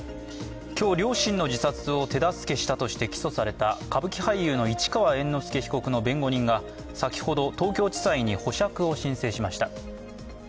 今日、両親の自殺を手助けしたとして起訴された歌舞伎俳優の市川猿之助被告の弁護人が先ほど、東京地裁に保釈を申請しました。